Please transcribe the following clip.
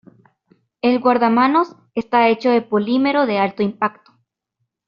El guardamanos está hecho de polímero de alto impacto.